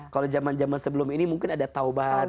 kalau zaman zaman sebelum ini mungkin ada taubat